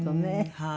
はい。